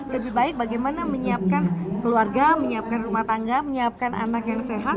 lebih baik bagaimana menyiapkan keluarga menyiapkan rumah tangga menyiapkan anak yang sehat